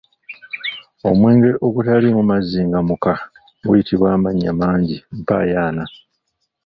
Omwenge ogutaliimu mazzi nga muka guyitibwa amannya mangi, mpaayo ana?